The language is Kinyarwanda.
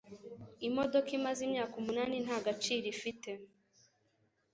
imodoka imaze imyaka umunani nta gaciro ifite